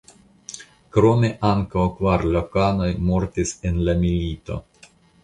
Krome ankaŭ kvar lokanoj mortis en la milito.